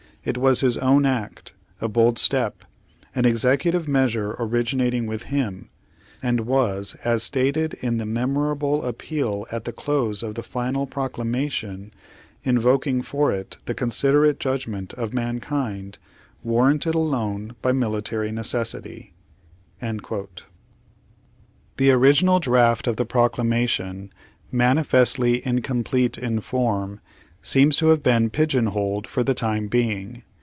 It was his own act, a bold step, an Page Sixty eight executive measure originating with him, and was, as stated in the memorable appeal at the close of the final Proclama tion, invoking for it the considerate judgment of m.an kind, warranted alone by military necessity." ^ The original draft of the proclamation, mani festly incomplete in form, seems to have been pigeon holed for the time being.